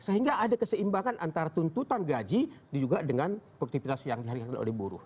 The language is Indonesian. sehingga ada keseimbangan antara tuntutan gaji juga dengan produktivitas yang dihari oleh buruh